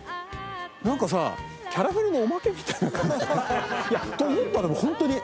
なんかさキャラメルのおまけみたいな感じ。と思ったでもホントに。